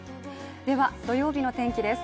では、土曜日の天気です。